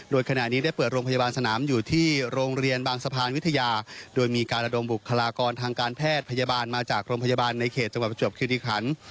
โดยขณะนี้ได้เปิดโรงพยาบาลสนามอยู่ที่โรงเรียนบางสะพานวิทยาโดยมีการระดมบุคลากรทางการแพทย์พยาบาลมาจากโรงพยาบาลในเขตจังหวัดประจวบคิริขัน